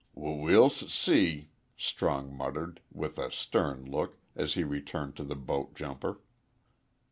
"W We'll s see," Strong muttered, with a stern look, as he returned to the boat jumper.